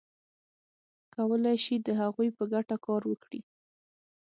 کولای شي د هغوی په ګټه کار وکړي.